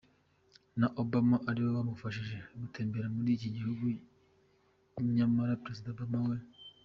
na Obama aribo bamufashije gutembera muri iki gihugu nyamara Perezida Obama we.